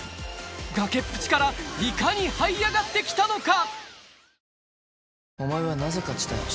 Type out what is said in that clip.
崖っぷちからいかにはい上がって来たのか！